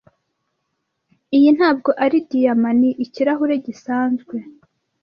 Iyi ntabwo ari diyama. Ni ikirahure gisanzwe.